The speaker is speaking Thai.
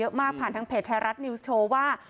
มาถามเยอะมากผ่านทางเพจไทยรัฐนิวส์โชว์ว่า